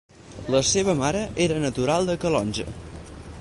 La seva mare era natural de Calonge.